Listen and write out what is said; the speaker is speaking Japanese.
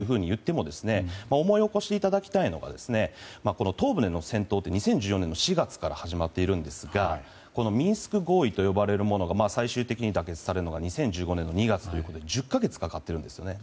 そもそも長期化といっても思い起こしていただきたいのが東部での戦闘って２０１４年の４月から始まっているんですがミンスク合意というものが最終的に妥結されるのが２０１５年の２月ということで１０か月かかっているんですね。